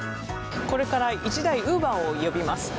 これから１台ウーバーを呼びます。